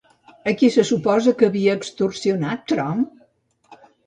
A qui se suposa que havia extorsionat, Trump?